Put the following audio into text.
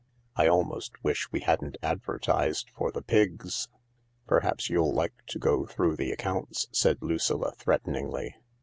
I almost wish we hadn't advertised for the Pigs." "Perhaps you'd like to go through the accounts," said Lucilla threateningly.